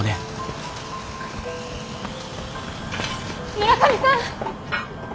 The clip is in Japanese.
村上さん！